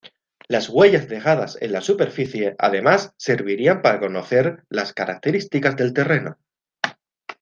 Las huellas dejadas en la superficie además servirían para conocer las características del terreno.